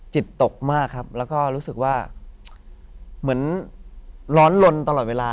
จิตตกมากครับแล้วก็รู้สึกว่าเหมือนร้อนลนตลอดเวลา